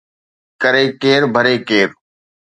ڪري ڪير ڀري ڪير